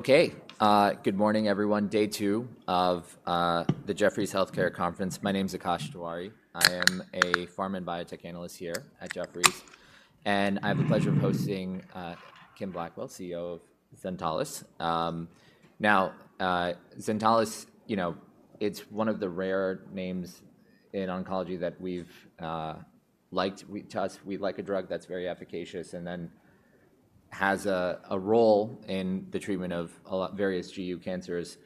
Okay, good morning, everyone. Day two of the Jefferies Healthcare Conference. My name's Akash Tewari. I am a Pharma and Biotech Analyst here at Jefferies, and I have the pleasure of hosting Kim Blackwell, CEO of Zentalis. Now, Zentalis, you know, it's one of the rare names in oncology that we've liked with us. We like a drug that's very efficacious and then has a role in the treatment of a lot various GU cancers.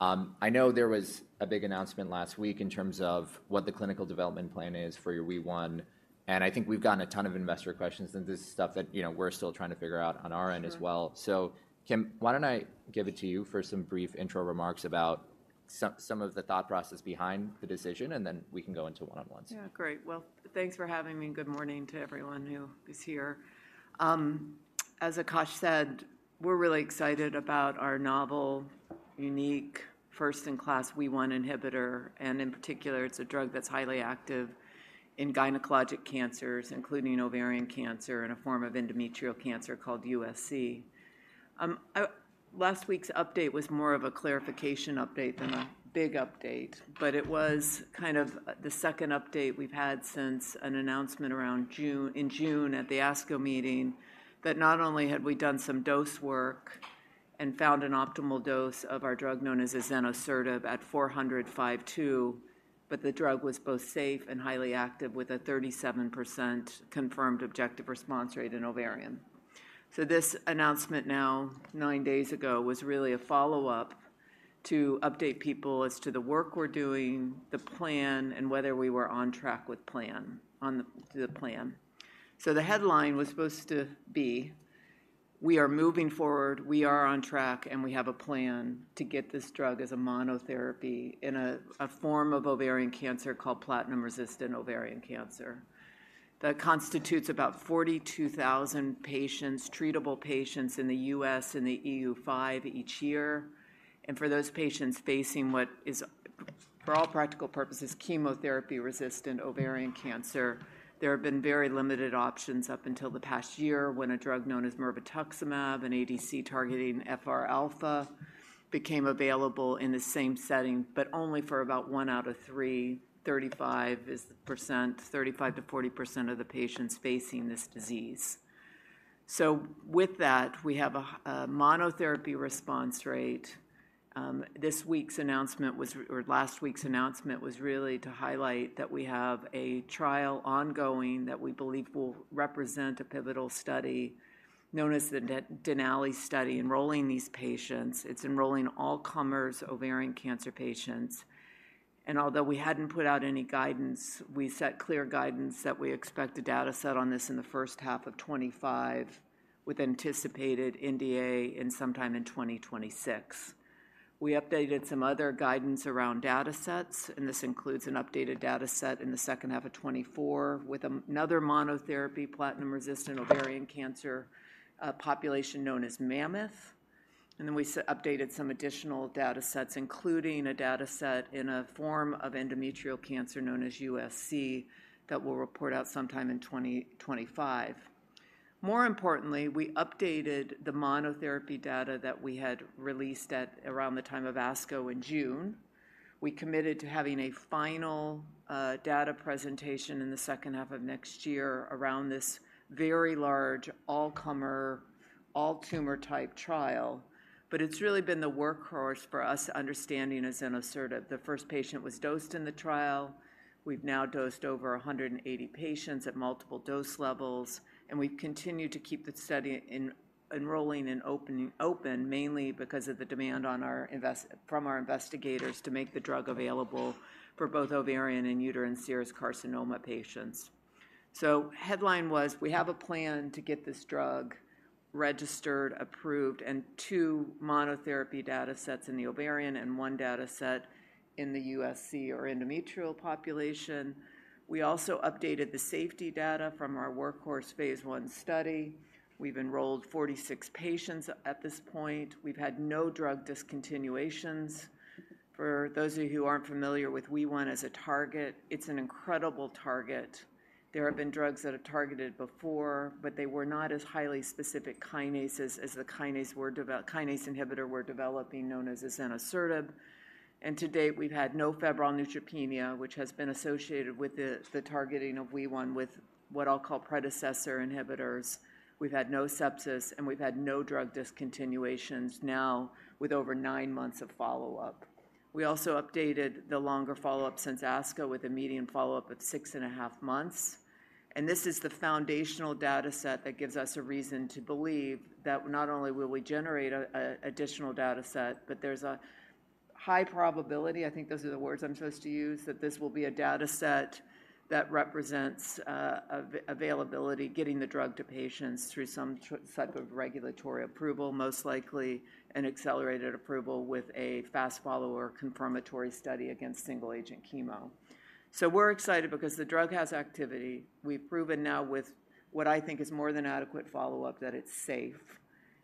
I know there was a big announcement last week in terms of what the clinical development plan is for your WEE1, and I think we've gotten a ton of investor questions and this is stuff that, you know, we're still trying to figure out on our end as well. So, Kim, why don't I give it to you for some brief intro remarks about some of the thought process behind the decision, and then we can go into one-on-ones. Yeah, great. Well, thanks for having me. Good morning to everyone who is here. As Akash said, we're really excited about our novel, unique, first-in-class WEE1 inhibitor, and in particular, it's a drug that's highly active in gynecologic cancers, including ovarian cancer and a form of endometrial cancer called USC. Last week's update was more of a clarification update than a big update, but it was kind of the second update we've had since an announcement around June, in June at the ASCO meeting that not only had we done some dose work and found an optimal dose of our drug known as azenosertib at 400 mg 5:2, but the drug was both safe and highly active with a 37% confirmed objective response rate in ovarian. So this announcement now, nine days ago, was really a follow-up to update people as to the work we're doing, the plan, and whether we were on track with the plan. So the headline was supposed to be, "We are moving forward. We are on track, and we have a plan to get this drug as a monotherapy in a form of ovarian cancer called platinum-resistant ovarian cancer that constitutes about 42,000 treatable patients in the U.S. and the EU5 each year." And for those patients facing what is, for all practical purposes, chemotherapy-resistant ovarian cancer, there have been very limited options up until the past year when a drug known as mirvetuximab, an ADC targeting FRα, became available in the same setting, but only for about one out of three, 35%—35%-40% of the patients facing this disease. So with that, we have a monotherapy response rate. This week's announcement was or last week's announcement was really to highlight that we have a trial ongoing that we believe will represent a pivotal study known as the DENALI study, enrolling these patients. It's enrolling all-comers, ovarian cancer patients. And although we hadn't put out any guidance, we set clear guidance that we expect a dataset on this in the first half of 2025 with anticipated NDA sometime in 2026. We updated some other guidance around datasets, and this includes an updated dataset in the second half of 2024 with another monotherapy platinum-resistant ovarian cancer population known as MAMMOTH. And then we updated some additional datasets, including a dataset in a form of endometrial cancer known as USC that we'll report out sometime in 2025. More importantly, we updated the monotherapy data that we had released at around the time of ASCO in June. We committed to having a final data presentation in the second half of next year around this very large all-comer, all-tumor-type trial. But it's really been the workhorse for us, understanding azenosertib. The first patient was dosed in the trial. We've now dosed over 180 patients at multiple dose levels, and we continue to keep the study enrolling and open mainly because of the demand from our investigators to make the drug available for both ovarian and uterine serous carcinoma patients. So headline was, "We have a plan to get this drug registered, approved, and two monotherapy datasets in the ovarian and one dataset in the USC or endometrial population." We also updated the safety data from our phase I study. We've enrolled 46 patients at this point. We've had no drug discontinuations. For those of you who aren't familiar with WEE1 as a target, it's an incredible target. There have been drugs that have targeted before, but they were not as highly specific kinases as the kinase were develop, kinase inhibitor we're developing known as azenosertib. And to date, we've had no febrile neutropenia, which has been associated with the targeting of WEE1 with what I'll call predecessor inhibitors. We've had no sepsis, and we've had no drug discontinuations now with over nine months of follow-up. We also updated the longer follow-up since ASCO with a median follow-up of 6.5 months. This is the foundational dataset that gives us a reason to believe that not only will we generate an additional dataset, but there's a high probability I think those are the words I'm supposed to use that this will be a dataset that represents availability, getting the drug to patients through some type of regulatory approval, most likely an accelerated approval with a fast-follower confirmatory study against single-agent chemo. So we're excited because the drug has activity. We've proven now with what I think is more than adequate follow-up that it's safe.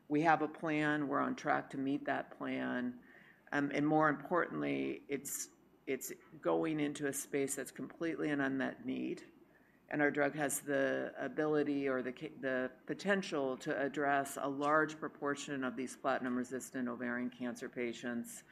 We have a plan. We're on track to meet that plan, and more importantly, it's, it's going into a space that's completely an unmet need. Our drug has the ability or the potential to address a large proportion of these platinum-resistant ovarian cancer patients,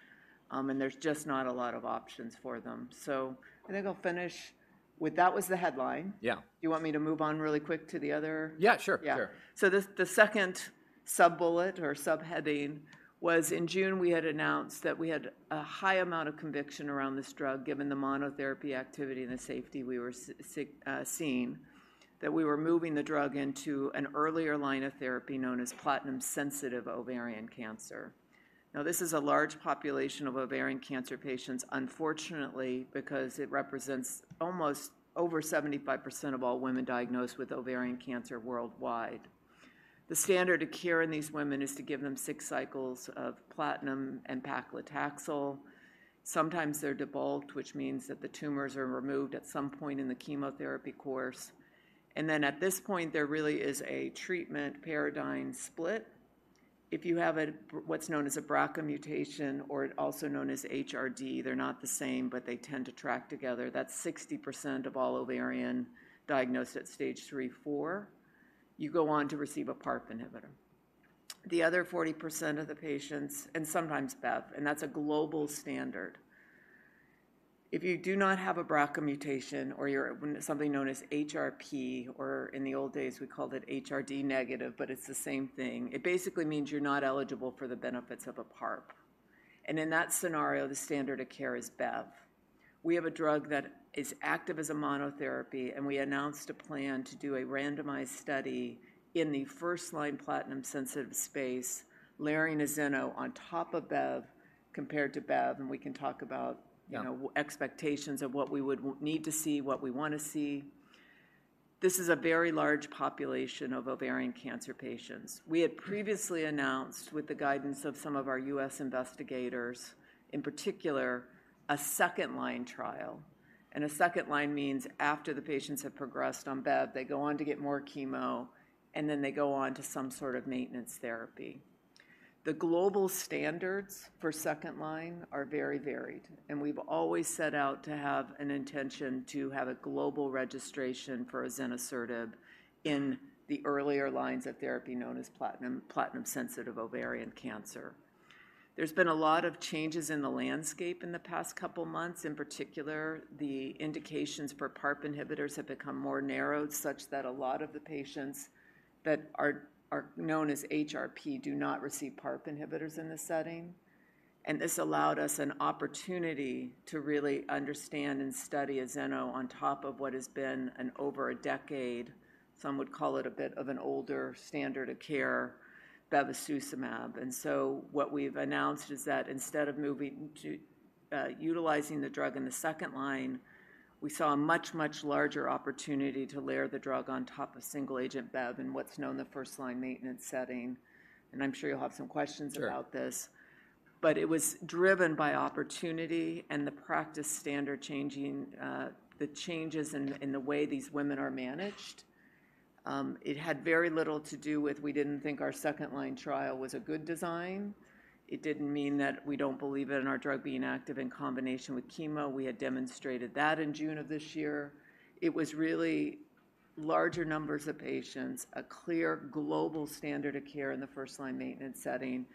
and there's just not a lot of options for them. So, I think I'll finish with that. That was the headline. Yeah. Do you want me to move on really quick to the other? Yeah, sure. Sure. Yeah. So the second sub-bullet or sub-heading was in June. We had announced that we had a high amount of conviction around this drug given the monotherapy activity and the safety we were seeing, that we were moving the drug into an earlier line of therapy known as platinum-sensitive ovarian cancer. Now, this is a large population of ovarian cancer patients, unfortunately, because it represents almost over 75% of all women diagnosed with ovarian cancer worldwide. The standard of care in these women is to give them six cycles of platinum and paclitaxel. Sometimes they're debulked, which means that the tumors are removed at some point in the chemotherapy course. And then at this point, there really is a treatment paradigm split. If you have a what's known as a BRCA mutation or also known as HRD, they're not the same, but they tend to track together. That's 60% of all ovarian diagnosed at stage three or four. You go on to receive a PARP inhibitor. The other 40% of the patients and sometimes bev, and that's a global standard. If you do not have a BRCA mutation or you're something known as HRP, or in the old days, we called it HRD negative, but it's the same thing. It basically means you're not eligible for the benefits of a PARP. And in that scenario, the standard of care is bev. We have a drug that is active as a monotherapy, and we announced a plan to do a randomized study in the first-line platinum-sensitive space, layering azeno on top of bev compared to bev. And we can talk about, you know, expectations of what we would need to see, what we want to see. This is a very large population of ovarian cancer patients. We had previously announced, with the guidance of some of our U.S. Investigators, in particular, a second-line trial. A second-line means after the patients have progressed on bev, they go on to get more chemo, and then they go on to some sort of maintenance therapy. The global standards for second-line are very varied. We've always set out to have an intention to have a global registration for azenosertib in the earlier lines of therapy known as platinum-sensitive ovarian cancer. There's been a lot of changes in the landscape in the past couple of months. In particular, the indications for PARP inhibitors have become more narrowed such that a lot of the patients that are known as HRP do not receive PARP inhibitors in this setting. This allowed us an opportunity to really understand and study azeno on top of what has been over a decade, some would call it a bit of an older standard of care, bevacizumab. So what we've announced is that instead of moving to utilizing the drug in the second line, we saw a much, much larger opportunity to layer the drug on top of single-agent bev in what's known as the first-line maintenance setting. I'm sure you'll have some questions about this. But it was driven by opportunity and the practice standard changing, the changes in the way these women are managed. It had very little to do with we didn't think our second-line trial was a good design. It didn't mean that we don't believe in our drug being active in combination with chemo. We had demonstrated that in June of this year. It was really larger numbers of patients, a clear global standard of care in the first-line maintenance setting.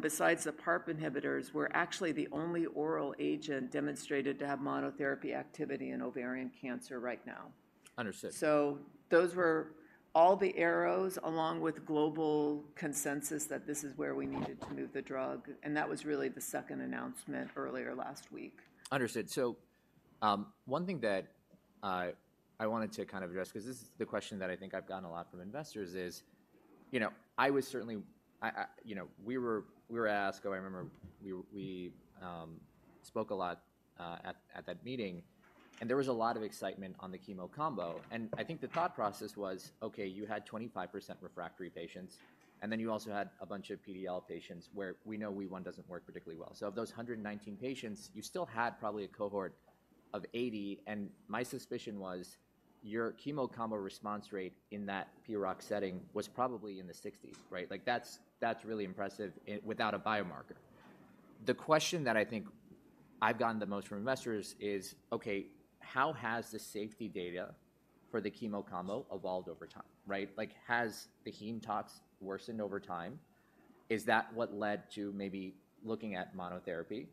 Besides the PARP inhibitors, we're actually the only oral agent demonstrated to have monotherapy activity in ovarian cancer right now. Understood. So those were all the arrows along with global consensus that this is where we needed to move the drug. And that was really the second announcement earlier last week. Understood. So, one thing that I wanted to kind of address because this is the question that I think I've gotten a lot from investors is, you know, I was certainly, you know, we were at ASCO. I remember we spoke a lot at that meeting, and there was a lot of excitement on the chemo combo. And I think the thought process was, okay, you had 25% refractory patients, and then you also had a bunch of PD-L patients where we know WEE1 doesn't work particularly well. So of those 119 patients, you still had probably a cohort of 80. And my suspicion was your chemo combo response rate in that PROC setting was probably in the 60s, right? Like, that's really impressive without a biomarker. The question that I think I've gotten the most from investors is, okay, how has the safety data for the chemo combo evolved over time, right? Like, has the heme tox worsened over time? Is that what led to maybe looking at monotherapy?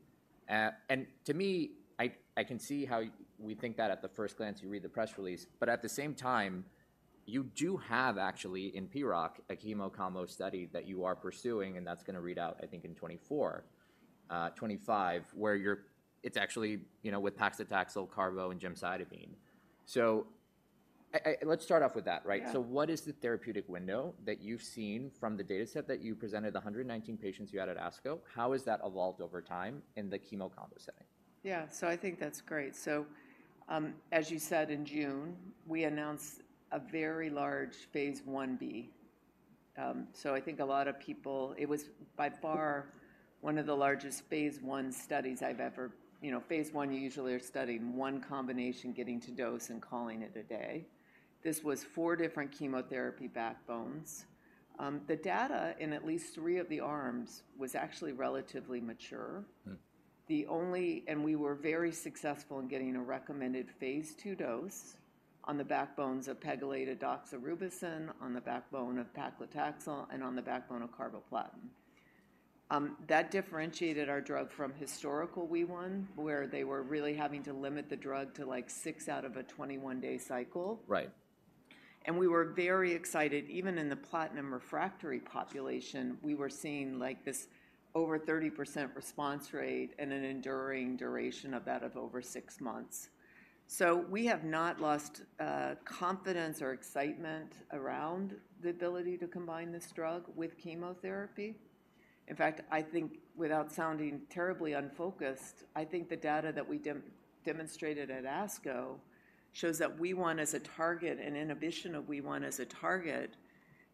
And to me, I, I can see how we think that at the first glance you read the press release. But at the same time, you do have actually in PROC a chemo combo study that you are pursuing. And that's going to read out, I think, in 2024, 2025 where you're it's actually, you know, with paclitaxel, carbo, and gemcitabine. So let's start off with that, right? So what is the therapeutic window that you've seen from the dataset that you presented, the 119 patients you had at ASCO? How has that evolved over time in the chemo combo setting? Yeah, so I think that's great. So, as you said in June, we announced a very phase I-B. So I think a lot of people—it was by far one of the phase I studies I've ever, you know, phase I you usually are studying one combination getting to dose and calling it a day. This was four different chemotherapy backbones. The data in at least three of the arms was actually relatively mature. The only—and we were very successful in getting a recommended phase II dose on the backbone of pegylated doxorubicin, on the backbone of paclitaxel, and on the backbone of carboplatin. That differentiated our drug from historical WEE1, where they were really having to limit the drug to like six out of a 21-day cycle. Right. We were very excited. Even in the platinum refractory population, we were seeing like this over 30% response rate and an enduring duration of that of over six months. So we have not lost confidence or excitement around the ability to combine this drug with chemotherapy. In fact, I think without sounding terribly unfocused, I think the data that we demonstrated at ASCO shows that WEE1 as a target and inhibition of WEE1 as a target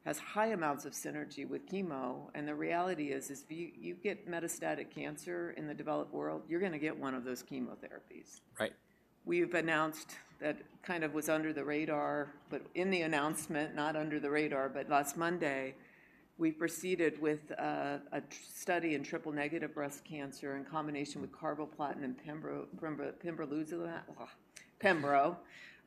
has high amounts of synergy with chemo. The reality is, if you get metastatic cancer in the developed world, you're going to get one of those chemotherapies. Right. We've announced that kind of was under the radar. But in the announcement, not under the radar, but last Monday, we proceeded with a study in triple-negative breast cancer in combination with carboplatin and pembrolizumab. Whoa. Pembro.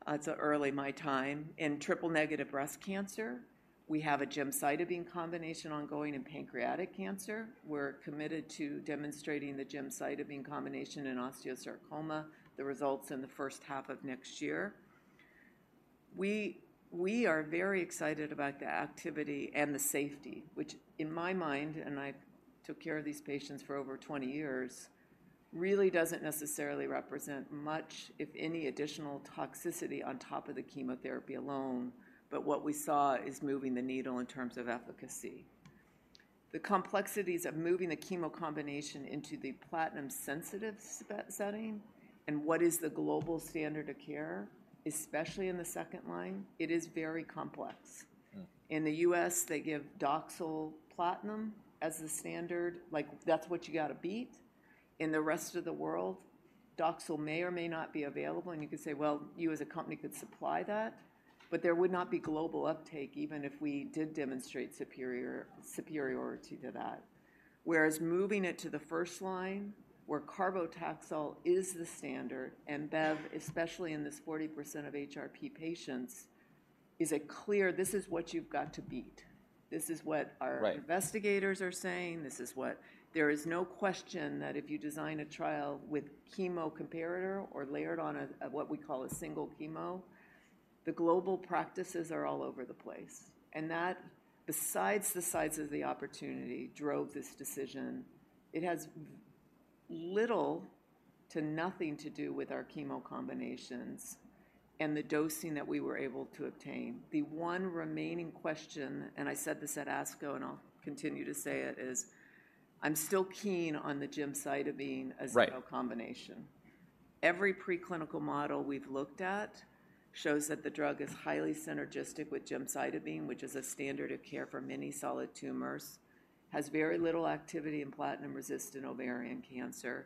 It's an early my time. In triple-negative breast cancer, we have a gemcitabine combination ongoing in pancreatic cancer. We're committed to demonstrating the gemcitabine combination in osteosarcoma, the results in the first half of next year. We are very excited about the activity and the safety, which in my mind. Aand I took care of these patients for over 20 years, really doesn't necessarily represent much, if any, additional toxicity on top of the chemotherapy alone. But what we saw is moving the needle in terms of efficacy. The complexities of moving the chemo combination into the platinum-sensitive setting and what is the global standard of care, especially in the second line, it is very complex. In the U.S., they give Doxil platinum as the standard. Like, that's what you got to beat. In the rest of the world, Doxil may or may not be available. And you could say, well, you as a company could supply that, but there would not be global uptake even if we did demonstrate superiority to that. Whereas moving it to the first line, where carboplatin is the standard and bev, especially in this 40% of HRP patients, is a clear this is what you've got to beat. This is what our investigators are saying. This is what there is no question that if you design a trial with chemo comparator or layered on a what we call a single chemo, the global practices are all over the place. And that, besides the size of the opportunity, drove this decision. It has little to nothing to do with our chemo combinations and the dosing that we were able to obtain. The one remaining question, and I said this at ASCO, and I'll continue to say it, is I'm still keen on the gemcitabine as a combination. Every preclinical model we've looked at shows that the drug is highly synergistic with gemcitabine, which is a standard of care for many solid tumors, has very little activity in platinum-resistant ovarian cancer.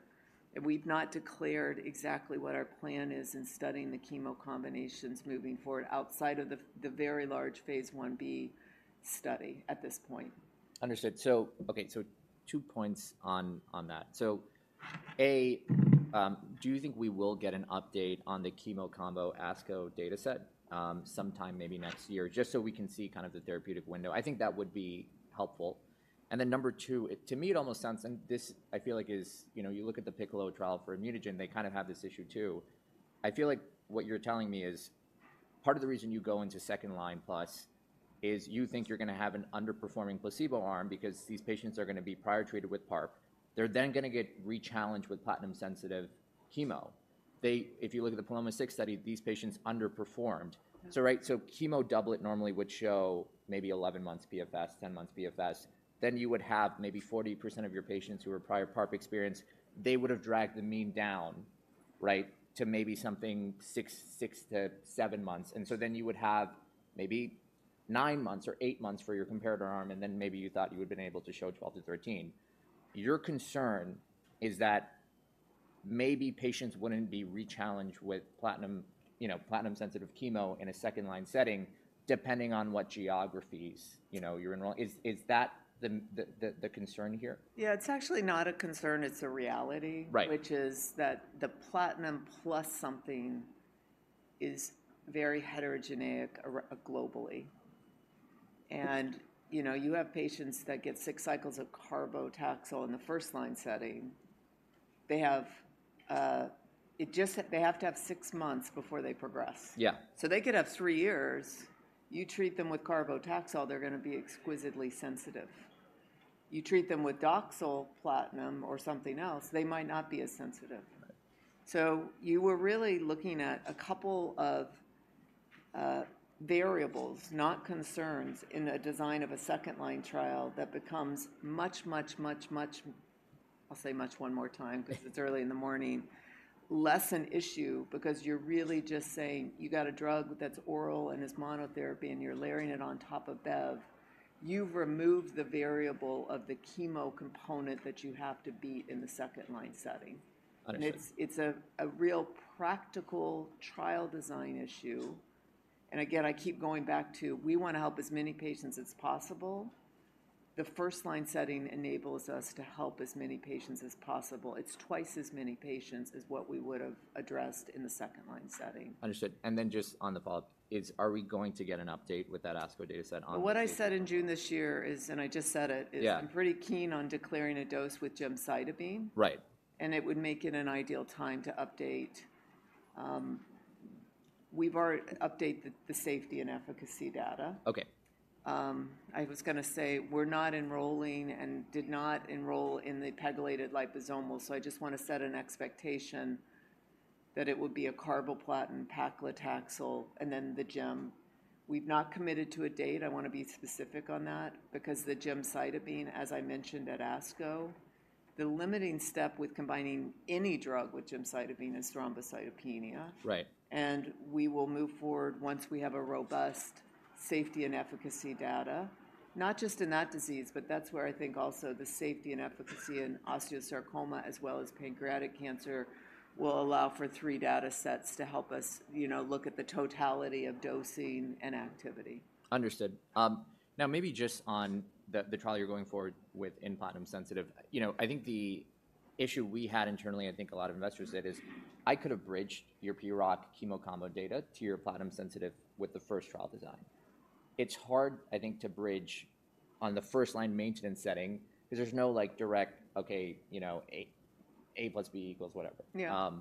We've not declared exactly what our plan is in studying the chemo combinations moving forward outside of the very large phase I-B study at this point. Understood. So, okay, so two points on that. So A, do you think we will get an update on the chemo combo ASCO dataset sometime maybe next year, just so we can see kind of the therapeutic window? I think that would be helpful. And then number two. To me, it almost sounds and this I feel like is, you know, you look at the PICCOLO trial for ImmunoGen, they kind of have this issue too. I feel like what you're telling me is part of the reason you go into second line plus is you think you're going to have an underperforming placebo arm because these patients are going to be prior treated with PARP. They're then going to get rechallenged with platinum-sensitive chemo. If you look at the PALOMA-[six] study, these patients underperformed. So, right, so chemo doublet normally would show maybe 11 months PFS, 10 months PFS. Then you would have maybe 40% of your patients who were prior PARP experience, they would have dragged the mean down, right, to maybe something six to seven months. And so then you would have maybe nine months or eight months for your comparator arm, and then maybe you thought you would have been able to show 12-13 months. Your concern is that maybe patients wouldn't be rechallenged with platinum, you know, platinum-sensitive chemo in a second-line setting, depending on what geographies, you know, you're in. Is that the concern here? Yeah, it's actually not a concern. It's a reality, which is that the platinum plus something is very heterogeneous globally. And, you know, you have patients that get six cycles of carbo Doxil in the first-line setting. They have it just they have to have six months before they progress. Yeah, so they could have three years. You treat them with carbo Doxil, they're going to be exquisitely sensitive. You treat them with Doxil platinum or something else, they might not be as sensitive to it. So you were really looking at a couple of variables, not concerns, in a design of a second-line trial that becomes much, much, much, much... I'll say much one more time because it's early in the morning, less an issue because you're really just saying you got a drug that's oral and is monotherapy, and you're layering it on top of bev. You've removed the variable of the chemo component that you have to beat in the second-line setting. It's a real practical trial design issue. Again, I keep going back to we want to help as many patients as possible. The first-line setting enables us to help as many patients as possible. It's twice as many patients as what we would have addressed in the second-line setting. Understood. Then just on the follow-up, are we going to get an update with that ASCO dataset on? What I said in June this year is, and I just said it, is I'm pretty keen on declaring a dose with gemcitabine. And it would make it an ideal time to update. We've already updated the safety and efficacy data. I was going to say we're not enrolling and did not enroll in the pegylated liposomal. So I just want to set an expectation that it would be a carboplatin, paclitaxel, and then the gem. We've not committed to a date. I want to be specific on that because the gemcitabine, as I mentioned at ASCO, the limiting step with combining any drug with gemcitabine is thrombocytopenia. We will move forward once we have a robust safety and efficacy data, not just in that disease, but that's where I think also the safety and efficacy in osteosarcoma as well as pancreatic cancer will allow for three datasets to help us, you know, look at the totality of dosing and activity. Understood. Now, maybe just on the trial you're going forward with in platinum-sensitive, you know, I think the issue we had internally, I think a lot of investors said is I could have bridged your PROC chemo combo data to your platinum-sensitive with the first trial design. It's hard, I think, to bridge on the first-line maintenance setting because there's no like direct, okay, you know, A plus B equals whatever. Yeah,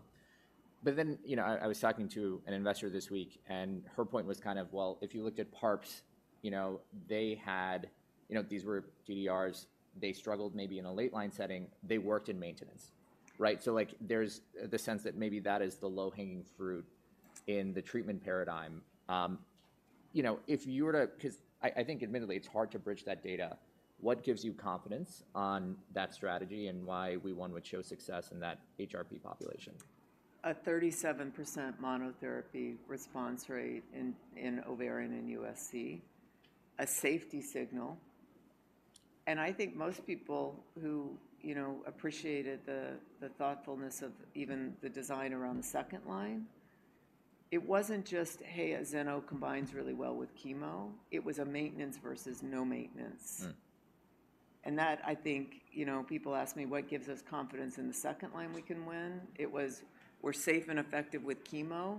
but then, you know, I was talking to an investor this week, and her point was kind of, well, if you looked at PARPs, you know, they had, you know, these were HRDs. They struggled maybe in a late-line setting. They worked in maintenance, right? So like there's the sense that maybe that is the low-hanging fruit in the treatment paradigm. You know, if you were to because I think admittedly, it's hard to bridge that data. What gives you confidence on that strategy and why WEE1 would show success in that HRP population? A 37% monotherapy response rate in ovarian and USC, a safety signal. I think most people who, you know, appreciated the thoughtfulness of even the design around the second line, it wasn't just, hey, azeno combines really well with chemo. It was a maintenance versus no maintenance. And that, I think, you know, people ask me what gives us confidence in the second line we can win. It was we're safe and effective with chemo,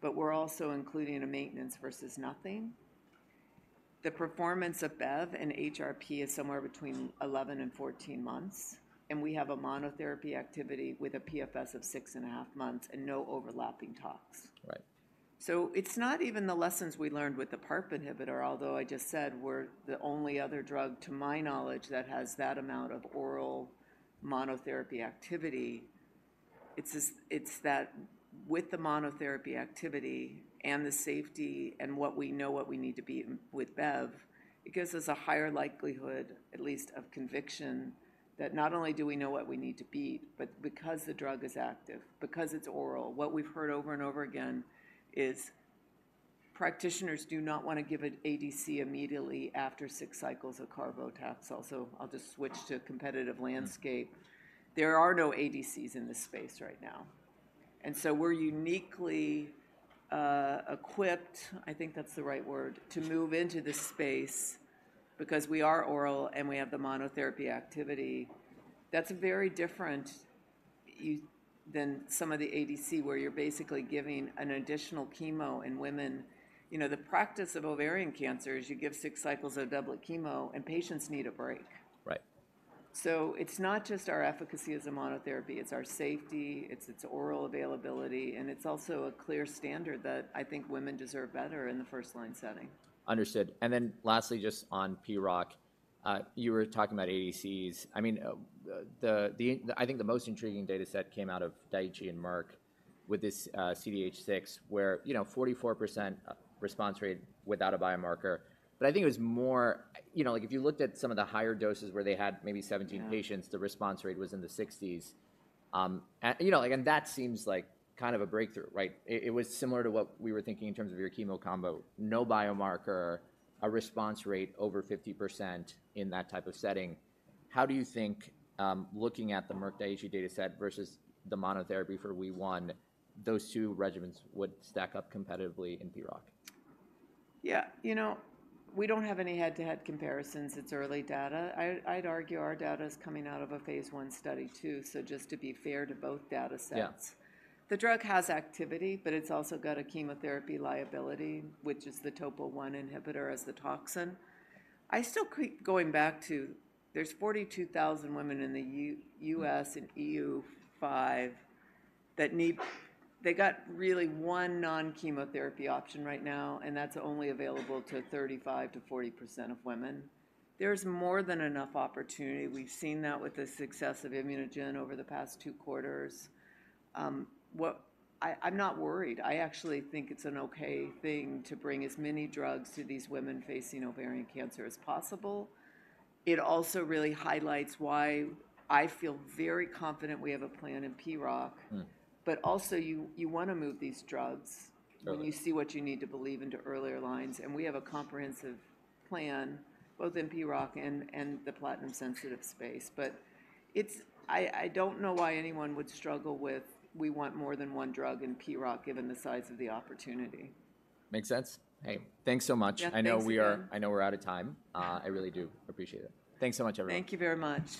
but we're also including a maintenance versus nothing. The performance of bev and HRP is somewhere between 11 and14 months. And we have a monotherapy activity with a PFS of 6.5 months and no overlapping tox. So it's not even the lessons we learned with the PARP inhibitor, although I just said we're the only other drug to my knowledge that has that amount of oral monotherapy activity. It's that with the monotherapy activity and the safety and what we know what we need to beat with bev, it gives us a higher likelihood, at least of conviction, that not only do we know what we need to beat, but because the drug is active, because it's oral, what we've heard over and over again is practitioners do not want to give it ADC immediately after six cycles of carbo Doxil. So I'll just switch to competitive landscape. There are no ADCs in this space right now. And so we're uniquely equipped, I think that's the right word, to move into this space because we are oral and we have the monotherapy activity. That's very different than some of the ADC where you're basically giving an additional chemo in women. You know, the practice of ovarian cancer is you give six cycles of doublet chemo and patients need a break. So it's not just our efficacy as a monotherapy. It's our safety. It's its oral availability. And it's also a clear standard that I think women deserve better in the first-line setting. Understood. Then lastly just on PROC, you were talking about ADCs. I mean, I think the most intriguing dataset came out of Daiichi and Merck with this CDH6 where, you know, 44% response rate without a biomarker. But I think it was more, you know, like if you looked at some of the higher doses where they had maybe 17 patients, the response rate was in the 60s. And you know, like and that seems like kind of a breakthrough, right? It was similar to what we were thinking in terms of your chemo combo, no biomarker, a response rate over 50% in that type of setting. How do you think looking at the Merck-Daiichi dataset versus the monotherapy for WEE1, those two regimens would stack up competitively in PROC? Yeah, you know, we don't have any head-to-head comparisons. It's early data. I'd argue our data is coming out of a phase I study too. So, just to be fair to both datasets. The drug has activity, but it's also got a chemotherapy liability, which is the topo I inhibitor as the toxin. I still keep going back to there's 42,000 women in the U.S. and EU5 that need. They got really one non-chemotherapy option right now, and that's only available to 35%-40% of women. There's more than enough opportunity. We've seen that with the success of ImmunoGen over the past two quarters. I'm not worried. I actually think it's an okay thing to bring as many drugs to these women facing ovarian cancer as possible. It also really highlights why I feel very confident we have a plan in PROC. But also you want to move these drugs when you see what you need to believe into earlier lines. And we have a comprehensive plan, both in PROC and the platinum-sensitive space. But I don't know why anyone would struggle with we want more than one drug in PROC given the size of the opportunity. Makes sense. Hey, thanks so much. I know we are out of time. I really do appreciate it. Thanks so much, everyone. Thank you very much.